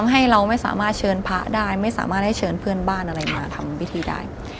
ให้เราไม่สามารถเชิญพระได้ไม่สามารถให้เชิญเพื่อนบ้านอะไรมาทำพิธีได้